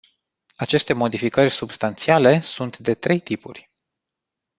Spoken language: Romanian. Aceste modificări substanțiale sunt de trei tipuri.